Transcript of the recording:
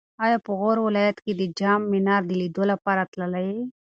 ایا په غور ولایت کې د جام منار د لیدو لپاره تللی یې؟